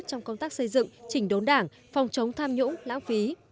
trong công tác xây dựng chỉnh đốn đảng phòng chống tham nhũng lãng phí